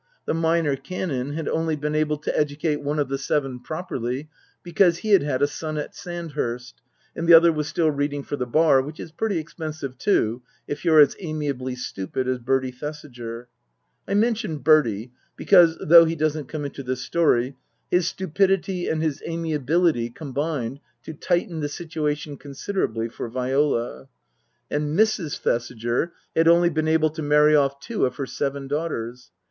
The Minor Canon had only been able to educate one of the seven properly, because he had had a son at Sandhurst, and the other was still reading for the Bar, which is pretty expensive too if you're as amiably stupid as Bertie Thesiger. (I mention Bertie because, though he doesn't come into this story, his stupidjty and his amiability combined to tighten the situation considerably for Viola.) And Mrs. Thesiger had only been able to marry off two of her seven daughters.